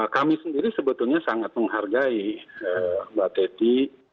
kami sendiri sebetulnya sangat menghargai mbak teti